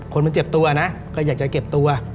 คนมันเจ็บตัวนะก็อยากจะเก็บตัว